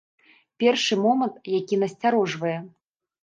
Першы момант, які насцярожвае.